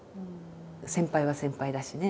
先輩は先輩だしね。